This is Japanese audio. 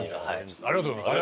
ありがとうございます。